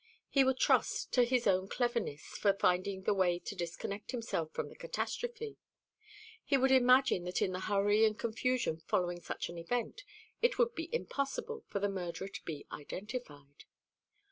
He would trust to his own cleverness for finding the way to disconnect himself from the catastrophe; he would imagine that in the hurry and confusion following such an event it would be impossible for the murderer to be identified.